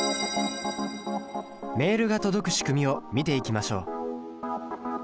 メールが届く仕組みを見ていきましょう。